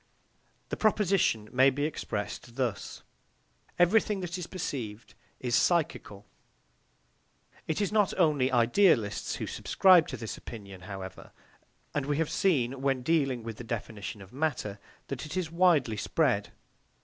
This proposition may be expressed thus: Everything that is perceived is psychical. It is not only idealists who subscribe to this opinion, however, and we have seen, when dealing with the definition of matter, that it is widely spread.